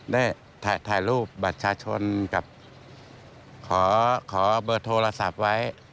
ได้ถ่ายรูปบัตรประชาชนกับขอเบอร์โทรศัพท์ไว้